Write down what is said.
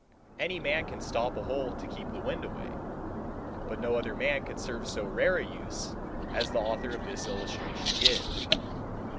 Any man can stop a hole to keep the wind away, but no other man could serve so rare a use as the author of this illustration did.